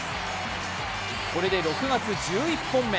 これで６月、１１本目。